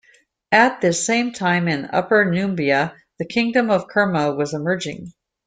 At this same time in Upper Nubia the Kingdom of Kerma was emerging.